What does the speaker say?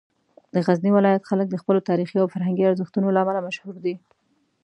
د غزني ولایت خلک د خپلو تاریخي او فرهنګي ارزښتونو له امله مشهور دي.